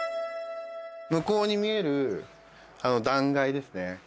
向こうに見える断崖ですね